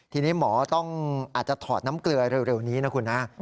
ทีนี้หมอต้องอาจจะถอดน้ำเกลือเร็วนี้นะคุณฮะ